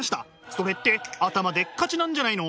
それって頭でっかちなんじゃないの？